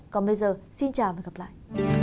còn bây giờ xin chào và gặp lại